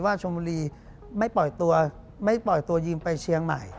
ว่าชมอลีไม่ปล่อยตัวยิ่งไปเชียงใหม่